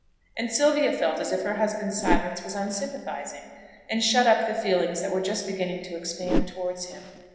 And Sylvia felt as if her husband's silence was unsympathizing, and shut up the feelings that were just beginning to expand towards him.